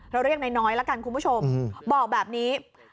เรียกนายน้อยละกันคุณผู้ชมบอกแบบนี้